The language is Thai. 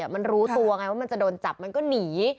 มันรู้ตัวไงว่ามันจะโดนจับมันก็หนี